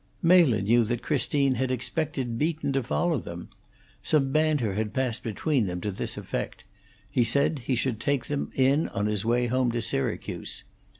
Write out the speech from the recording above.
Mela knew that Christine had expected Beaton to follow them. Some banter had passed between them to this effect; he said he should take them in on his way home to Syracuse.